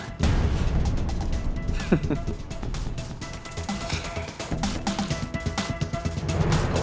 makasih buat kalian semua